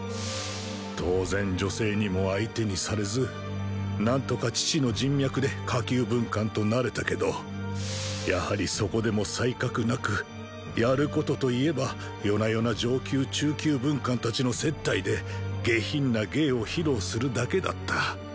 当然女性にも相手にされず何とか父の人脈で下級文官となれたけどやはりそこでも才覚なくやることと言えば夜な夜な上級・中級文官たちの接待で下品な芸を披露するだけだった。